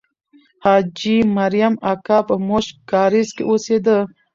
حاجي مریم اکا په موشک کارېز کې اوسېده.